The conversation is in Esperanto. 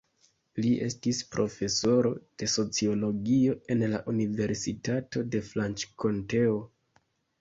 Li estis profesoro de sociologio en la Universitato de Franĉkonteo.